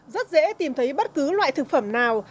rất dễ tìm thấy bất cứ loại thực phẩm nào